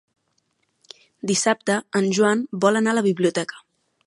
Dissabte en Joan vol anar a la biblioteca.